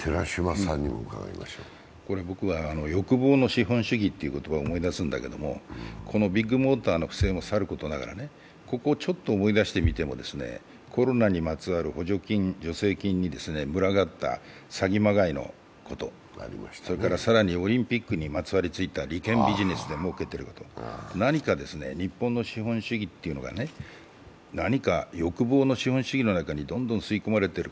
これ、僕は欲望の資本主義という言葉を思い出すんだけど、ビッグモーターの不正もさることながらちょっと思い出してみてもコロナにまつわる補助金・助成金にまつわった詐欺まがいのこと、さらにオリンピックにまつわりついた利権ビジネスで儲けることとか何か、日本の資本主義というのが欲望の資本主義の中にどんどん吸い込まれてる。